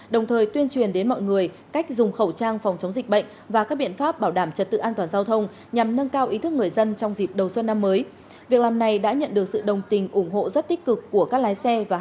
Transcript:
đồng thời tuyên truyền đến mọi người cách dùng khẩu trang phòng chống dịch bệnh và các biện pháp bảo đảm trật tự an toàn giao thông nhằm nâng cao ý thức người dân trong dịp đầu xuân năm mới